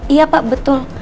iya pak betul